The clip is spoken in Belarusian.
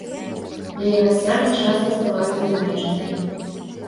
Яе гасцямі часта становяцца замежнікі.